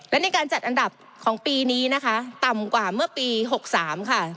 และในการจัดอันดับของปีนี้นะคะต่ำกว่าเมื่อปี๖๓ค่ะ